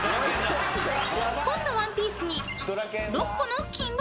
［紺のワンピースに６個の金ボタン］